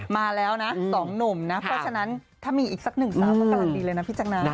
มาแล้วนะสองหนุ่มนะเพราะฉะนั้นถ้ามีอีกสักหนึ่งสาวก็กำลังดีเลยนะพี่จังนะ